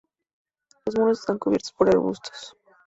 Los muros están cubiertos por arbustos.